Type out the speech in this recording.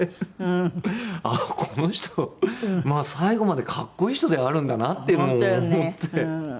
この人最後まで格好いい人ではあるんだなっていうのを思って。